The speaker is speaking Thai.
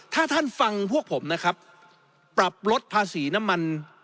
ถ้าท่านฟังพวกผมนะครับปรับลดภาษีน้ำมัน